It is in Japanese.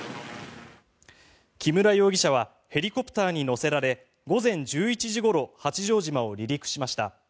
木村容疑者はヘリコプターに乗せられ午前１１時ごろ八丈島を離陸しました。